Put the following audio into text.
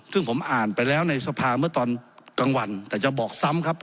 ซึ่งผมอ่านไปแล้วในสภาเมื่อตอนกลางวันแต่จะบอกซ้ำครับ